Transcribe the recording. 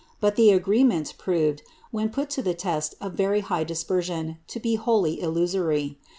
But the agreement proved, when put to the test of very high dispersion, to be wholly illusory.